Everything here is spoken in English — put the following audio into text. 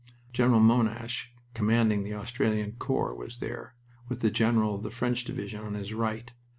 General Monash, commanding the Australian corps, was there, with the general of the French division on his right.